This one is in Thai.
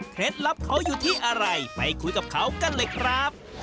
ลับเขาอยู่ที่อะไรไปคุยกับเขากันเลยครับ